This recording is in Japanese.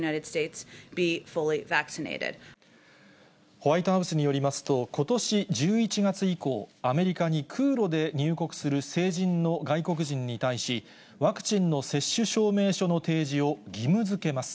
ホワイトハウスによりますと、ことし１１月以降、アメリカに空路で入国する成人の外国人に対し、ワクチンの接種証明書の提示を義務づけます。